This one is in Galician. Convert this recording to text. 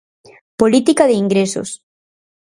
Política de ingresos.